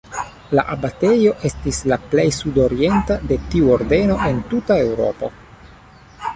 La abatejo estis la plej sudorienta de tiu ordeno en tuta Eŭropo.